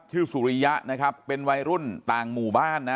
สุริยะนะครับเป็นวัยรุ่นต่างหมู่บ้านนะ